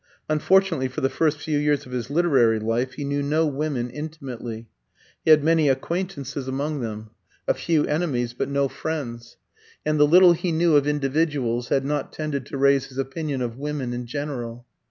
Unfortunately, for the first few years of his literary life he knew no women intimately: he had many acquaintances among them, a few enemies, but no friends; and the little he knew of individuals had not tended to raise his opinion of women in general.